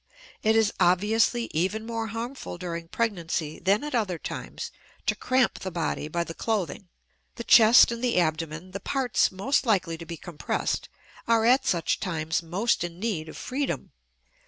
It is obviously even more harmful during pregnancy than at other times to cramp the body by the clothing; the chest and the abdomen, the parts most likely to be compressed, are at such times most in need of freedom.